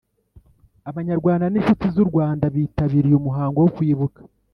Abanyarwanda n inshuti z u Rwanda bitabiriye umuhango wo kwibuka